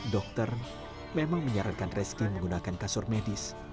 dokter memang menyarankan rezeki menggunakan kasur medis